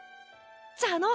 じゃあの。